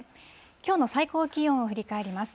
きょうの最高気温を振り返ります。